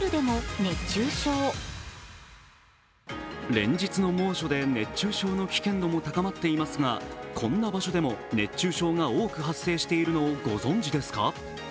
連日の猛暑で熱中症の危険度も高まっていますがこんな場所でも熱中症が多く発生しているのをご存じですか。